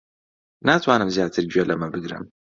ناتوانم زیاتر گوێ لەمە بگرم.